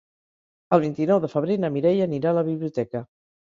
El vint-i-nou de febrer na Mireia anirà a la biblioteca.